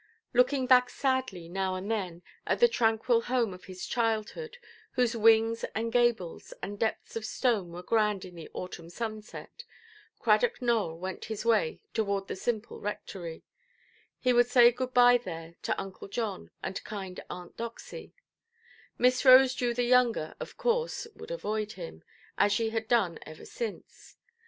Looking back sadly, now and then, at the tranquil home of his childhood, whose wings, and gables, and depths of stone were grand in the autumn sunset, Cradock Nowell went his way toward the simple Rectory: he would say good–bye there to Uncle John and the kind Aunt Doxy; Miss Rosedew the younger, of course, would avoid him, as she had done ever since.